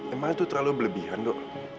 emang itu terlalu berlebihan dok